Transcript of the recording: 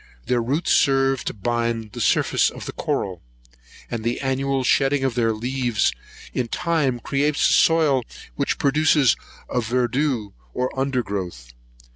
Their roots serve to bind the surface of the coral; and the annual shedding of their leaves, in time creates a soil which produces a verdure or undergrowth.